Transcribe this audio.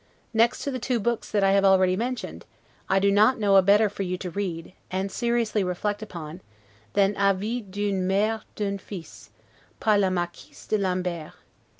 Next to the two books that I have already mentioned, I do not know a better for you to read, and seriously reflect upon, than 'Avis d'une Mere d'un Fils, par la Marquise de Lambert'.